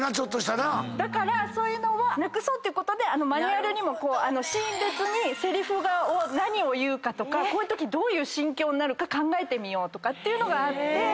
だからそういうのはなくそうっていうことでマニュアルにもシーン別にせりふが何を言うかとかどういう心境になるか考えてみようとかってあって。